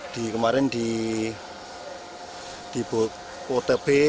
di kemarin di kotebe